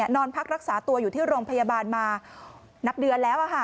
นอนพักรักษาตัวอยู่ที่โรงพยาบาลมานับเดือนแล้ว